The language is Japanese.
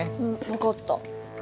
分かった。